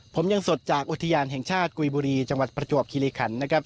ผมยังสดจากอุทยานแห่งชาติกุยบุรีจังหวัดประจวบคิริขันนะครับ